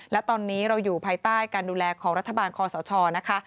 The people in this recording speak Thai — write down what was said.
และตอนนี้เราอยู่ภายใต้การดูแลของรัฐบาลคอสชนะคะ